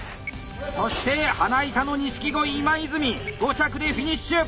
そして花板の錦鯉今泉５着でフィニッシュ！